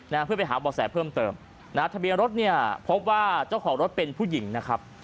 นะไปหาบอกแสเพิ่มเติมนะธะเบียงรถเนี้ยพบว่าเจ้าของรถเป็นผู้หญิงนะครับ